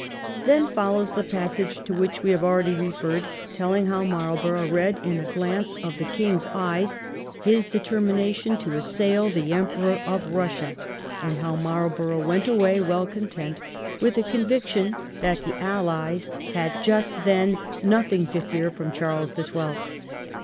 Then follows the passage to which we have 1707 WAS PIPER BRIBED? 13 already referred, telling how Marlborough read in a glance of the King's eyes his determination to assail the Emperor of Eussia, and how Marlborough went away well content, with the conviction that the Allies had just then nothing to fear from Charles the Twelfth.